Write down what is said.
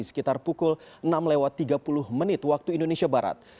sekitar pukul enam tiga puluh waktu indonesia barat